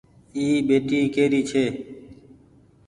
اي پيتي ڪيري ڇي